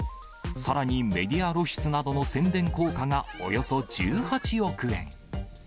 さらにメディア露出などの宣伝効果がおよそ１８億円。